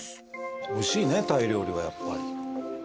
おいしいねタイ料理はやっぱり。